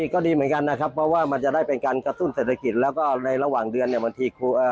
ก็น่าสนใจ